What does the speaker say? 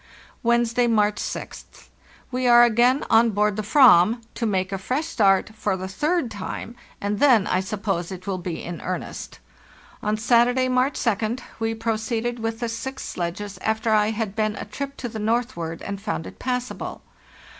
"Wednesday, March 6th. We are again on board the /ram to make a fresh start, for the third time, and then, I suppose, it will be in earnest. On Saturday, March 2d, we proceeded with the six sledges after I had been a trip to the northward and found it passable.